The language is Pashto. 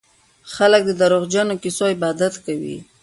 خلک د دروغجنو کيسو عبادت کوي.